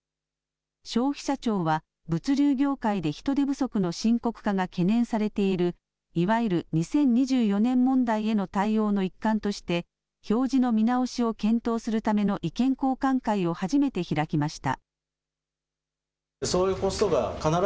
消費者庁は物流業界で人手不足の深刻化が懸念されているいわゆる２０２４年問題への対応の一環として表示の見直しを検討するための意見交換会を初めて開きました。